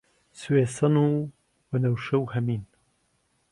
سوێسن و وەنەوش و هەمین